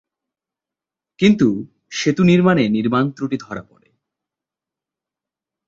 কিন্তু সেতু নির্মাণে নির্মাণ ত্রুটি ধরা পরে।